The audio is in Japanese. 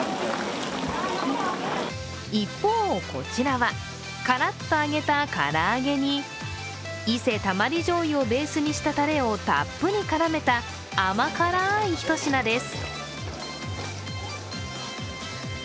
一方、こちらはカラッと揚げたから揚げに伊勢たまりじょうゆをベースにしたたれをたっぷり絡めた甘辛い一品です。